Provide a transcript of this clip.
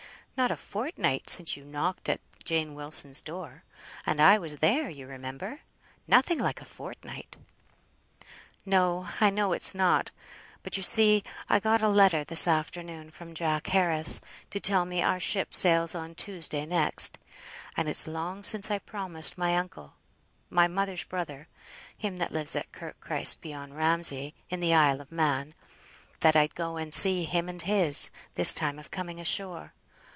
Not a fortnight since you knocked at Jane Wilson's door, and I was there, you remember. Nothing like a fortnight!" "No; I know it's not. But, you see, I got a letter this afternoon from Jack Harris, to tell me our ship sails on Tuesday next; and it's long since I promised my uncle (my mother's brother, him that lives at Kirk Christ, beyond Ramsay, in the Isle of Man) that I'd go and see him and his, this time of coming ashore.